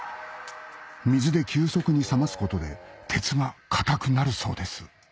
水で急速に冷ますことで鉄が硬くなるそうです